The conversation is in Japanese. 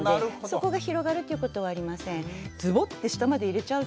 そこが広がるということはありません。